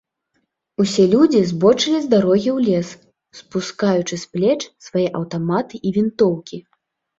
Усе людзі збочылі з дарогі ў лес, спускаючы з плеч свае аўтаматы і вінтоўкі.